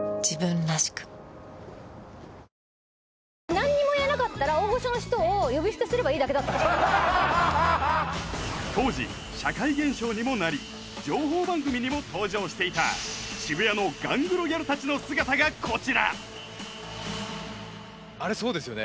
何も言えなかったら大御所の人を呼び捨てすればいいだけだった当時社会現象にもなり情報番組にも登場していた渋谷のガングロギャルたちの姿がこちらあれそうですよね？